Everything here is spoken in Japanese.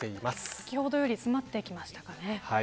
先ほどより詰まってきましたかね。